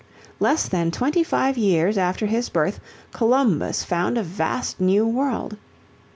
Less than twenty five years after his birth, Columbus found a vast new world.